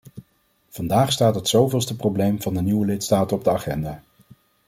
Vandaag staat het zoveelste probleem van de nieuwe lidstaten op de agenda.